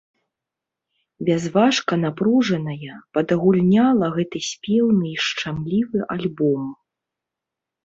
Бязважка-напружаная, падагульняла гэты спеўны і шчымлівы альбом.